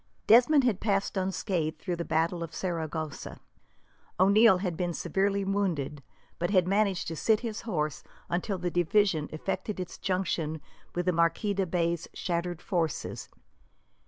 Desmond had passed unscathed through the battle of Saragossa. O'Neil had been severely wounded, but had managed to sit his horse until the division effected its junction with the Marquis de Bay's shattered forces.